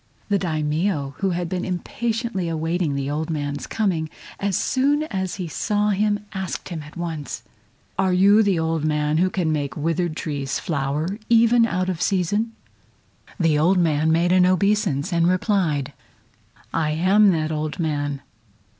The Daimio, who had been impatiently awaiting the old man's coming, as soon as he saw him asked him at once: "Are you the old man who can make withered trees flower even out of season?" The old man made an obeisance, and replied: "I am that old man!"